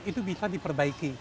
itu bisa diperbaiki